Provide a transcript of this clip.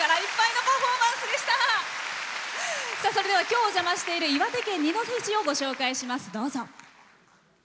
それでは、今日、お邪魔している岩手県二戸市をご紹介します。